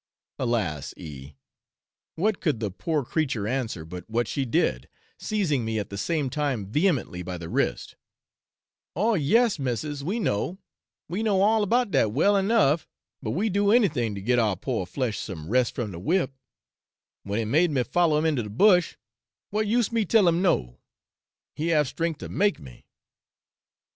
Alas, E , what could the poor creature answer but what she did, seizing me at the same time vehemently by the wrist: 'Oh yes, missis, we know we know all about dat well enough; but we do anything to get our poor flesh some rest from de whip; when he made me follow him into de bush, what use me tell him no? he have strength to make me.'